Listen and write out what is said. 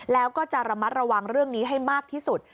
แล้วก็จะระมัดระวังเรื่องนี้ให้มากที่สุด